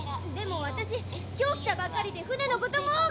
でも私今日来たばかりで船のことも。